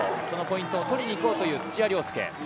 そのポイントを取りに行こうという土屋良輔。